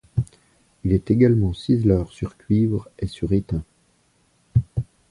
Il est également ciseleur sur cuivre et sur étain.